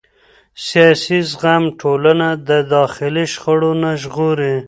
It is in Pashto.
سیاسي زغم ټولنه د داخلي شخړو نه ژغوري